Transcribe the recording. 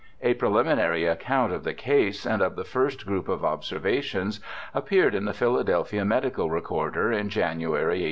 A preliminary account of the case, and of the first group of observations, appeared in the Philadelphia Medical Recorder in January, 1825.